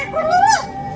loh ada bendera kuningnya